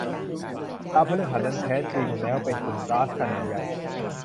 ดาวพฤหัสนั้น แท้จริงแล้วเป็นกลุ่มก๊าซขนาดใหญ่